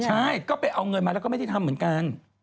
ใช่ก็ไปเอาเงินมาแล้วก็ไม่ได้ทำเหมือนกัน